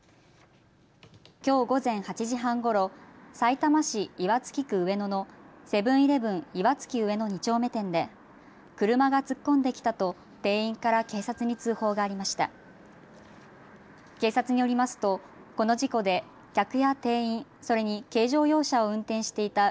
きょう午前８時半ごろさいたま市岩槻区上野のセブンイレブン岩槻上野２丁目店で車が突っ込んできたと店員から警察に通報がありました。